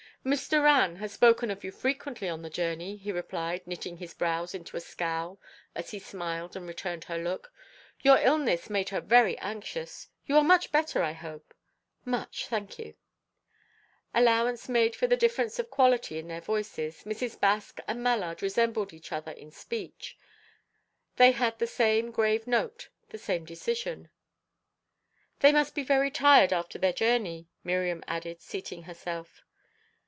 "Miss Doran has spoken of you frequently on the journey," he replied, knitting his brows into a scowl as he smiled and returned her look. "Your illness made her very anxious. You are much better, I hope?" "Much, thank you." Allowance made for the difference of quality in their voices, Mrs. Baske and Mallard resembled each other in speech. They had the same grave note, the same decision. "They must be very tired after their journey," Miriam added, seating herself.